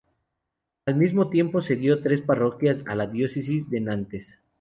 Al mismo tiempo, cedió tres parroquias a la diócesis de Nantes.